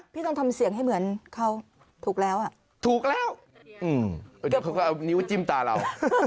ต้องทำเสียงให้เหมือนเขาถูกแล้วอ่ะถูกแล้วเดี๋ยวเขาก็เอานิ้วจิ้มตาเรา